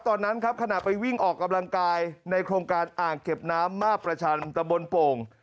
ตอนนั้นครับขณะไปวิ่งออกกำลังกายในโครงการอ่างเก็บน้ำมาประชันตะบนโป่ง